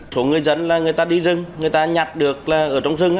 số người dân là người ta đi rừng người ta nhặt được là ở trong rừng